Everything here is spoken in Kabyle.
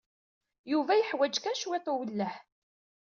Yuba yeḥwaj kan cwiṭ n uwelleh.